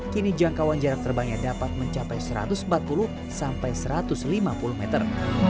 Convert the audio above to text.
kini jangkauan jarak terbangnya dapat mencapai satu ratus empat puluh sampai satu ratus lima puluh meter